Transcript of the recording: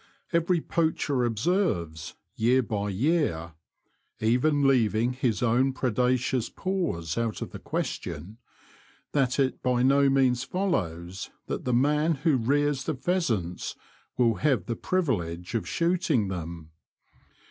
Every poacher observes, year by year (even leaving his own predaceous paws out of the question), that it by no means follows that the man who rears the pheasants will have the privilege of shooting them.